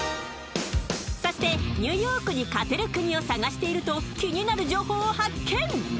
そしてニューヨークに勝てる国を探していると気になる情報を発見。